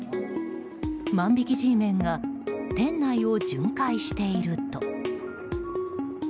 万引きＧメンが店内を巡回していると。